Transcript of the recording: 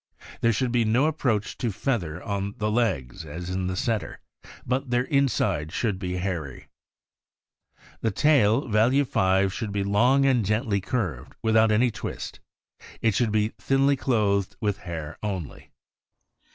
There should be no approach 176 THE AMERICAN BOOK OF THE DOG. to feather on the legs, as in the Setter, but their inside should be hairy. The tail (value 5) should be long and gently curved, without any twist. It should be thinly clothed with hair only.